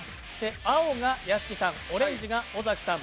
青が屋敷さん、オレンジが屋敷さん